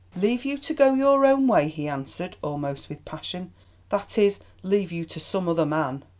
"Leave you to go your own way," he answered almost with passion—"that is, leave you to some other man.